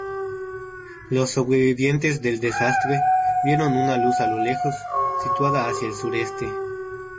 Los sobrevivientes del desastre vieron una luz a lo lejos, situada hacia el sureste.